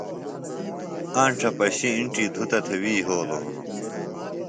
آنڇہ پشیۡ اِنڇی دھُتہ تھےۡ وی یھولوۡ ہنوۡ